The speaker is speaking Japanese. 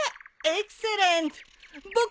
エクセレント！